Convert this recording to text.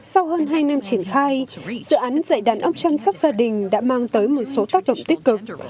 sự án dạy đàn ông chăm sóc gia đình đã mang tới một số tác động tích cực